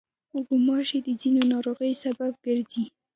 غوماشې د ځینو ناروغیو سبب ګرځي.